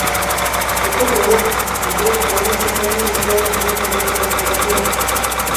Esto provoca que sus primeros poemas tengan una notable influencia de esta literatura.